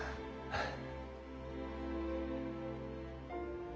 フッ。